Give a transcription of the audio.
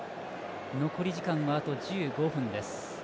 残り時間は、あと１５分です。